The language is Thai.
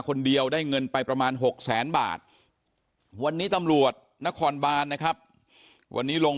คนเดียวได้เงินไปประมาณ๖แสนบาทวันนี้ตำรวจนครบานนะครับวันนี้ลง